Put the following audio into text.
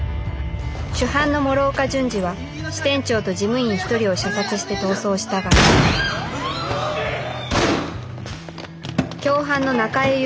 主犯の諸岡順次は支店長と事務員一人を射殺して逃走したが共犯の中江雄